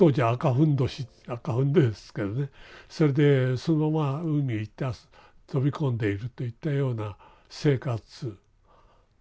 それでそのまま海行って飛び込んでいるといったような生活。